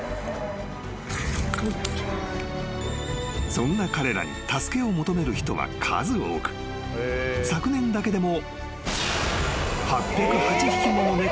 ［そんな彼らに助けを求める人は数多く昨年だけでも］